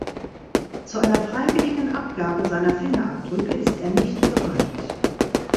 Zu einer freiwilligen Abgabe seiner Fingerabdrücke ist er nicht bereit.